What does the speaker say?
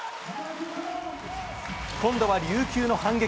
今度は琉球の反撃。